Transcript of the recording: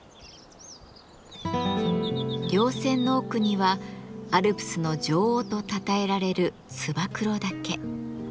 稜線の奥にはアルプスの女王とたたえられる燕岳。